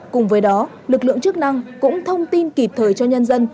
cùng với đó lực lượng chức năng cũng thông tin kịp thời cho nhân dân